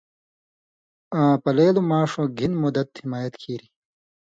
آں پلېلو ماݜؤں گِھن مدَت (حمایت) کیریۡ۔